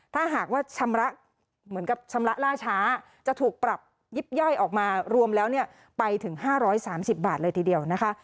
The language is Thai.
ถ้าหากว่าชำระเหมือนกับชำระล่าช้าจะถูกปรับยิบย่อยออกมารวมแล้วเนี่ยไปถึง๕๓๐บาทเลยทีเดียวนะคะ